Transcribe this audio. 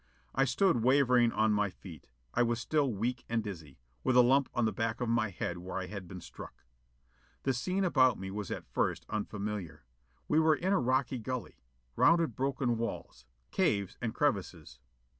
I stood wavering on my feet. I was still weak and dizzy, with a lump on the back of my head where I had been struck. The scene about me was at first unfamiliar. We were in a rocky gully. Rounded broken walls. Caves and crevices.